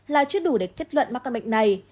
là chứa đủ để kết luận mắc các bệnh này